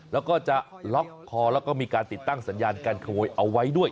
แล้วก็จะล็อกคอแล้วก็มีการติดตั้งสัญญาณการขโมยเอาไว้ด้วย